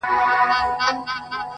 څوک چی دلته ښه دي هلته به لوړېږي!